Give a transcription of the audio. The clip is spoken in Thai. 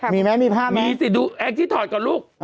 มีไหมมีภาพไหมมีสิดูแองจี้ถอดก่อนลูก